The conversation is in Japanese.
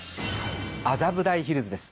麻布台ヒルズです。